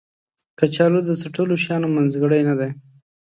کچالو د څټلو شیانو منځګړی نه دی